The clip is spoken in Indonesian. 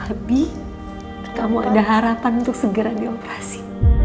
lebih kamu ada harapan untuk segera dioperasi